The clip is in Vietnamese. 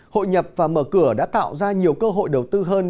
hội nhập và mở cửa đã tạo ra nhiều cơ hội đầu tư hơn